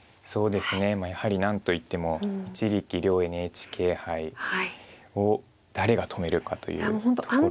そうですねやはり何といっても一力遼ＮＨＫ杯を誰が止めるかというところが。